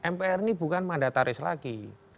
mpr ini bukan mandataris lagi